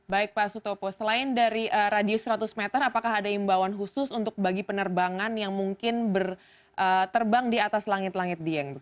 baik pak sutopo selain dari radius seratus meter apakah ada imbauan khusus untuk bagi penerbangan yang mungkin berterbang di atas langit langit dieng